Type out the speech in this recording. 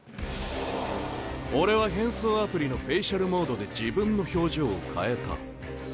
俺は変装アプリのフェイシャルモードで自分の表情を変えた。